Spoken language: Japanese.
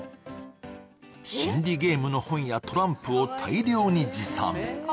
心理ゲームの本やトランプを大量に持参。